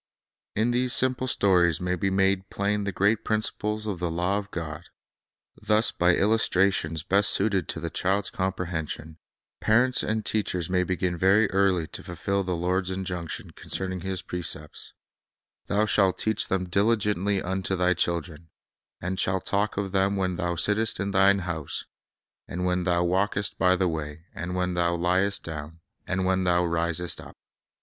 In these simple stories may be made plain the great principles of the law of God. Thus by illustrations best suited to the child's comprehension, parents and teachers may begin very early to fulfil the Lord's injunction concerning His precepts: "Thou shalt teach US5> A Bible Sturient Stories for tlic Utile Ones 1 86 The Bible as an Educator them diligently unto thy children, and shalt talk of them when thou sittest in thine house, and when thou walkest by the way, and when thou liest down, and when thou risest up."